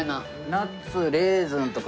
ナッツレーズンとか。